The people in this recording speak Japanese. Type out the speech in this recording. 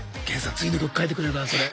次の曲書いてくれるかなそれ。